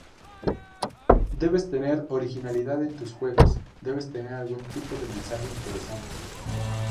Debes tener originalidad en tus juegos, debes tener algún tipo de mensaje interesante.